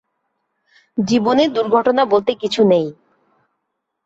জীবনে দু্র্ঘটনা বলতে কিছু নেই।